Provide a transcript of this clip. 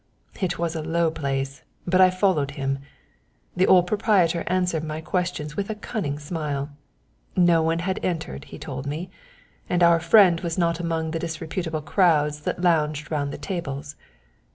It was a low place, but I followed him. The old proprietor answered my questions with a cunning smile; no one had entered, he told me, and our friend was not among the disreputable crowds that lounged round the tables.